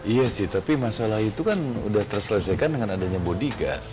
iya sih tapi masalah itu kan sudah terselesaikan dengan adanya bodika